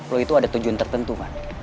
lo itu ada tujuan tertentu